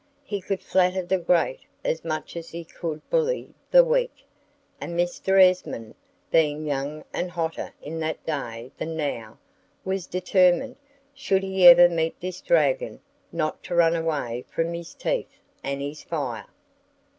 He could flatter the great as much as he could bully the weak; and Mr. Esmond, being younger and hotter in that day than now, was determined, should he ever meet this dragon, not to run away from his teeth and his fire.